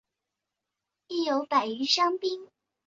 亦有百余伤兵被日本籍暴动分子杀害。